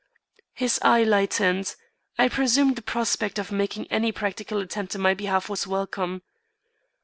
His eye lightened. I presume the prospect of making any practical attempt in my behalf was welcome.